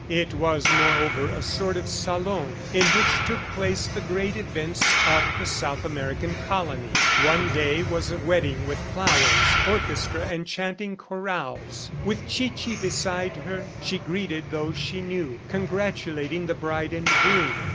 It was, moreover, a sort of salon in which took place the great events of the South American colony. One day was a wedding with flowers, orchestra and chanting chorals. With Chichi beside her, she greeted those she knew, congratulating the bride and groom.